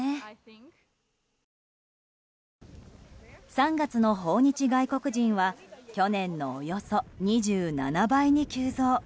３月の訪日外国人は去年のおよそ２７倍に急増。